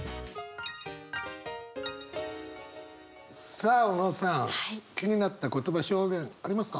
さあ小野さん気になった言葉表現ありますか？